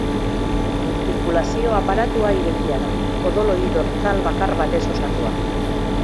Zirkulazio-aparatua irekia da, odol-hodi dortsal bakar batez osotua.